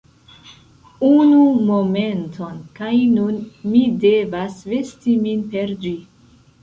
Unu momenton kaj nun mi devas vesti min per ĝi